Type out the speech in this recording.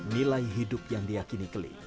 nilai hidup yang diakini keli